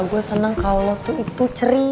gue seneng kalo lo tuh itu cerita